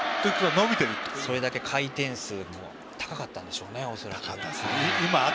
それだけ回転数も高かったんでしょうね。